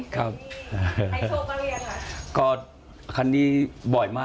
ใครโชคมาเรียนละ